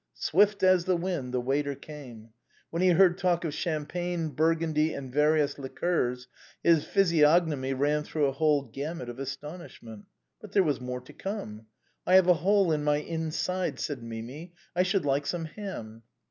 Swift as the wind, the waiter came. When he heard talk of Champagne, Burgundy, and various liquors, his physiognomy ran through a whole gamut of astonishment. But there was more to come. " I have a hole in my inside," said Mimi ;" I should like some ham."